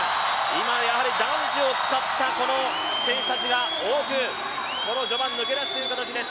今、男子を使った選手たちが多くこの序盤抜け出している形です。